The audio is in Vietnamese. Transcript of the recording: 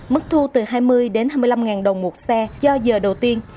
mức thu từ hai mươi đến hai mươi năm đồng một xe do giờ đầu tiên